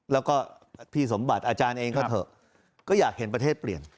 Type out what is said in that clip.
แล้วก็พี่สมบัติอาจารย์เองก็เถอะก็อยากเห็นประเทศเปลี่ยน